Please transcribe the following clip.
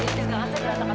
untuk selamat selamat